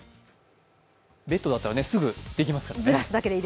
ベッドだったら、すぐできますからね。